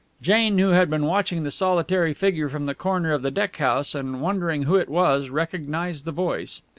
Jane, who had been watching the solitary figure from the corner of the deck house and wondering who it was, recognized the voice.